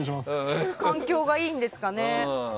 環境がいいんですかね。